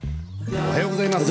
おはようございます。